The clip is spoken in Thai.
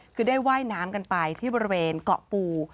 คือได้ว่ายน้ำกันไปที่บริเวณเกาะปู